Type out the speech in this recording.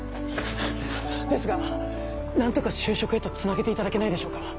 ですが何とか就職へとつなげていただけないでしょうか。